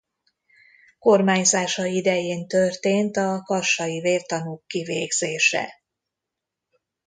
Kormányzása idején történt a kassai vértanúk kivégzése.